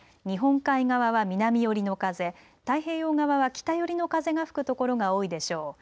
日本海側は南寄りの風、太平洋側は北寄りの風が吹くところが多いでしょう。